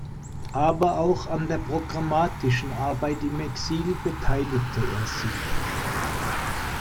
Aber auch an der programmatischen Arbeit im Exil beteiligte er sich.